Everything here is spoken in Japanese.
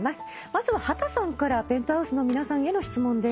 まずは秦さんからＰｅｎｔｈｏｕｓｅの皆さんへの質問です。